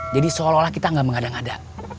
jadi seolah olah kita gak mengada ngada